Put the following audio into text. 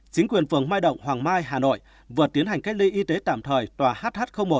chính quyền phường mai động hoàng mai hà nội vừa tiến hành cách ly y tế tạm thời tòa hh một